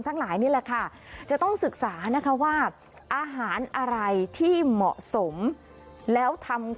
ทั้งหลายนี่แหละค่ะจะต้องศึกษานะคะว่าอาหารอะไรที่เหมาะสมแล้วทำ